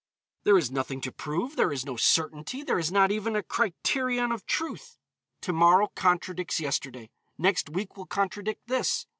There is nothing to prove, there is no certainty, there is not even a criterion of truth. To morrow contradicts yesterday, next week will contradict this.